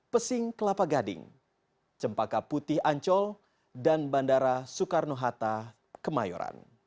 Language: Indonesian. pesing kelapa gading cempaka putih ancol dan bandara soekarno hatta kemayoran